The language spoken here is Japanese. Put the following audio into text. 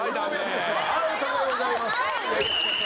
アウトでございます。